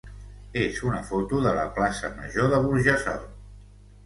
és una foto de la plaça major de Burjassot.